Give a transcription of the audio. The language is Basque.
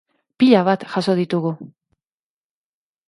Pila bat jaso ditugu!